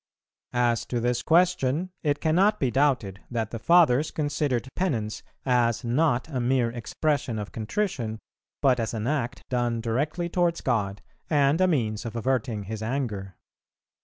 As to this question, it cannot be doubted that the Fathers considered penance as not a mere expression of contrition, but as an act done directly towards God and a means of averting His anger.